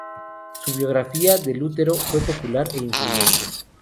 Su biografía de Lutero fue popular e influyente.